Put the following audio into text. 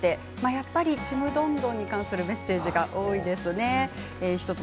やっぱり「ちむどんどん」に関するメッセージ多いです。